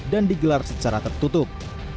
dan digelar secara tertutup